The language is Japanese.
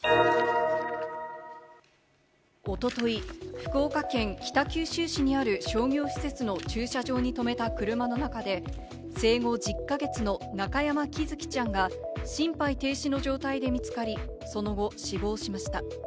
おととい、福岡県北九州市にある商業施設の駐車場に停めた車の中で、生後１０か月の中山喜寿生ちゃんが、心肺停止の状態で見つかり、その後、死亡しました。